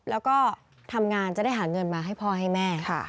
แล้วก็ทำงานจะได้หาเงินมาให้พ่อให้แม่